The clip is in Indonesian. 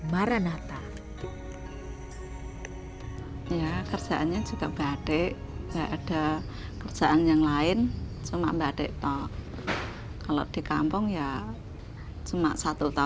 produksi batik maranatha